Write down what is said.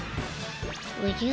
おじゃ。